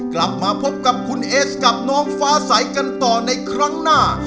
กลับมาพบกับคุณเอสกับน้องฟ้าใสกันต่อในครั้งหน้า